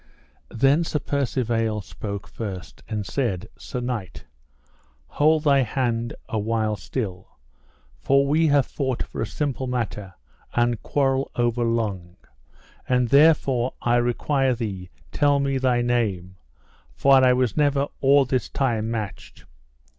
Then Sir Percivale spoke first, and said: Sir knight, hold thy hand a while still, for we have fought for a simple matter and quarrel overlong, and therefore I require thee tell me thy name, for I was never or this time matched.